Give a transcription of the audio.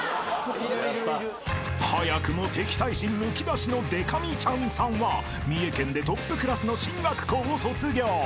［早くも敵対心むき出しのでか美ちゃんさんは三重県でトップクラスの進学校を卒業］